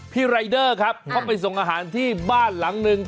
พี่ไรเด้อครับเข้าไปส่งอาหารที่บ้านหลังหนึ่ง